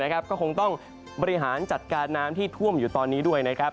ก็คงต้องบริหารจัดการน้ำที่ท่วมอยู่ตอนนี้ด้วยนะครับ